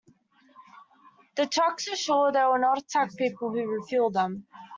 The trucks assure they will not attack people who refuel them.